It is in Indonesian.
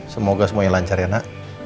semoga semuanya lancar ya nak